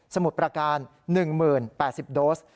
สมุทรประการ๑๐๐๘๐โดส